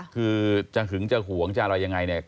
คือจะหึงจะหวงจะอะไรยังไงเนี่ย